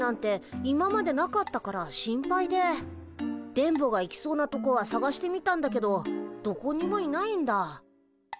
今までなかったから心配で電ボが行きそうなとこは探してみたんだけどどこにもいないんだ。